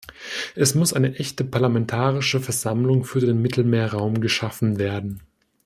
Es muss eine echte parlamentarische Versammlung für den Mittelmeerraum geschaffen werden.